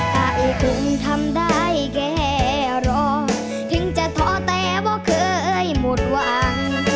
ถ้าถึงทำได้แค่รอถึงจะท้อแต่ว่าเคยหมดหวัง